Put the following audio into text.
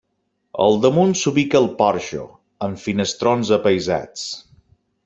Al damunt s'ubica el porxo, amb finestrons apaïsats.